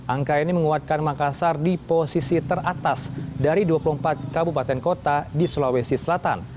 angka ini menguatkan makassar di posisi teratas dari dua puluh empat kabupaten kota di sulawesi selatan